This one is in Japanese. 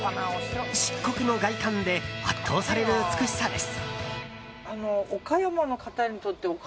漆黒の外観で圧倒される美しさです。